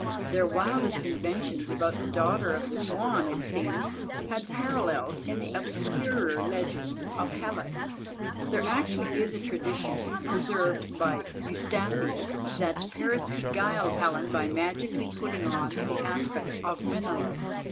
Their wildest inventions about the Daughter of the Swan, it seemed, had parallels in the obscurer legends of Hellas. There actually is a tradition, preserved by Eustathius, that Paris beguiled Helen by magically putting on the aspect of Menelaus.